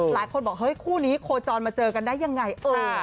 หลายคนบอกเฮ้ยคู่นี้โคจรมาเจอกันได้ยังไง